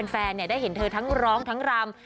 แฟนได้เห็นเธอทั้งร้องทั้งรำ